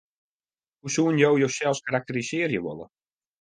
Hoe soenen jo josels karakterisearje wolle?